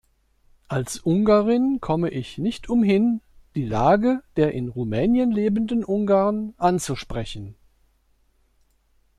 Als Ungarin komme ich nicht umhin, die Lage der in Rumänien lebenden Ungarn anzusprechen.